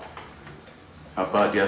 keadaan yang lebih baik